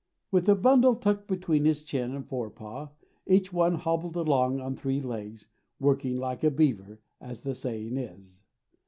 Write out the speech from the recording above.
With a bundle tucked between his chin and fore paw, each one hobbled along on three legs, "working like a beaver," as the saying is.